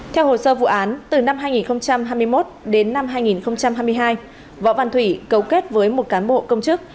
theo hồ sơ vụ án từ năm hai nghìn hai mươi một đến năm hai nghìn hai mươi hai võ văn thủy cấu kết với một cán bộ công chức